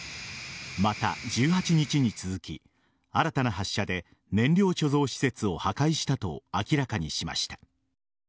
また、１８日に続き新たな発射で燃料貯蔵施設を破壊したと明らかにしました。